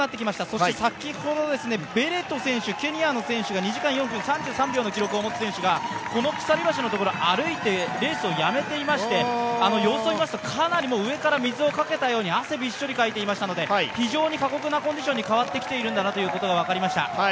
そして先ほどベレト選手、ケニアの選手が、この鎖橋のところを歩いてレースをやめていまして、様子を見ますと、かなり上から水をかけたように汗びっしょりかいていましたので非常に過酷なコンディションに変わってきていることが分かりました。